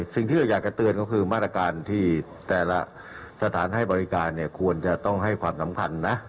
สิ่งที่เราอยากจะเตือนก็คือมาตรการที่แต่ละสถานให้บริการเนี่ยควรจะต้องให้ความสำคัญนะ